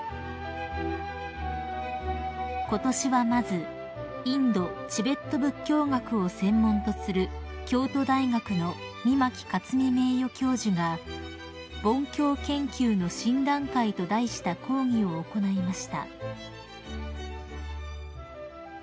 ［ことしはまずインド・チベット仏教学を専門とする京都大学の御牧克己名誉教授が「ボン教研究の新段階」と題した講義を行いました］